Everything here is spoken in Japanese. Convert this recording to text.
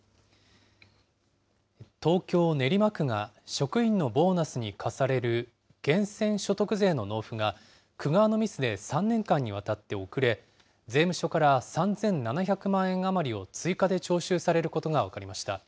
東京・練馬区が職員のボーナスに課される源泉所得税の納付が、区側のミスで３年間にわたって遅れ、税務署から３７００万円余りを追加で徴収されることが分かりました。